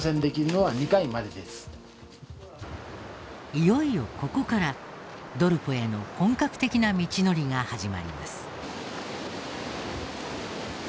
いよいよここからドルポへの本格的な道のりが始まります。